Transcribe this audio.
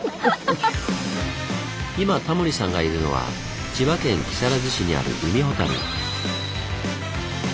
フッ今タモリさんがいるのは千葉県木更津市にある海ほたる。